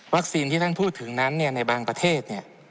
ที่ท่านพูดถึงนั้นในบางประเทศ